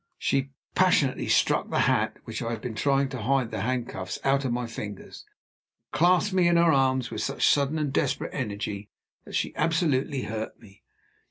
She passionately struck the hat with which I had been trying to hide the handcuffs out of my fingers, and clasped me in her arms with such sudden and desperate energy that she absolutely hurt me.